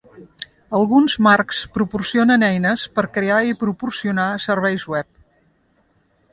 Alguns marcs proporcionen eines per crear i proporcionar serveis web.